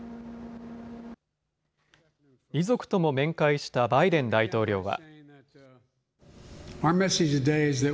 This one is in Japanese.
遺族とも面会したバイデン大統領は。